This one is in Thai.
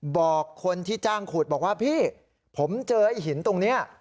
บอกคนที่จ้างขุดบอกว่าพี่ผมเจอไอ้หินตรงนี้